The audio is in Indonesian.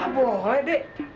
hah boleh dek